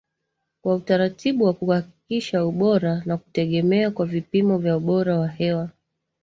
kwa utaratibu wa kuhakikisha ubora na kutegemeka kwa vipimo vya ubora wa hewa